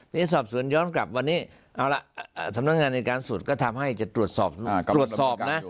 นี่สอบสวนย้อนกลับวันนี้เอาละสำนักงานในการสุดก็ทำให้จะตรวจสอบตรวจสอบนะ